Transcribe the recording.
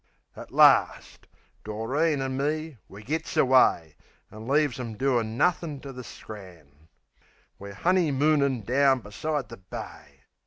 At last Doreen an' me we gits away, An' leaves 'em doin' nothin' to the scran. (We're honey moonin' down beside the Bay.)